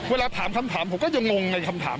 เวลาถามคำถามผมก็จะงงในคำถาม